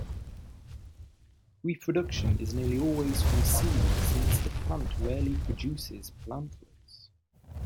Reproduction is nearly always from seed, since the plant rarely produces plantlets.